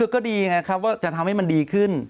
ก็ดีไงครับว่าจะทำให้มันดีขึ้น